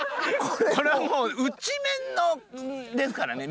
これはもう内面のですからね。